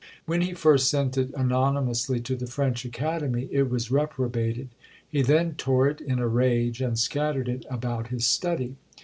When he first sent it anonymously to the French Academy it was reprobated. He then tore it in a rage, and scattered it about his study.